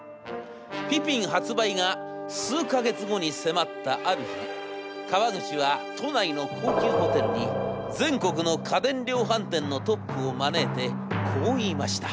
ピピン発売が数か月後に迫ったある日川口は都内の高級ホテルに全国の家電量販店のトップを招いてこう言いました。